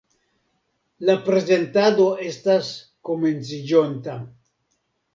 La prezentado estas komenciĝonta.